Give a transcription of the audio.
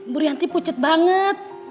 burianti pucet banget